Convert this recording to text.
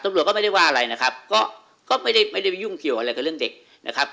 ตำรวจก็ไม่ได้ว่าอะไรนะครับก็ก็ไม่ได้ไม่ได้ไปยุ่งเกี่ยวอะไรกับเรื่องเด็กนะครับ